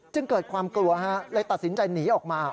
เกิดความกลัวเลยตัดสินใจหนีออกมา